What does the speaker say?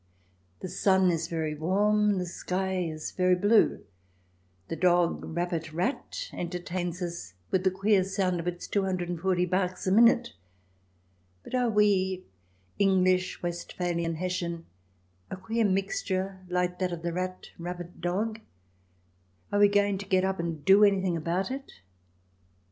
The sun is very warm ; the sky is very blue ; the dog rabbit rat entertains us with the queer sound of its two hundred and forty barks a minute. But are we, English Westphalian Hessian — a queer mixture like that of the rat rabbit dog — are we going to get up and do anything about it